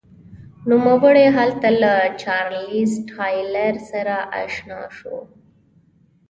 نوموړی هلته له چارلېز ټایلر سره اشنا شو.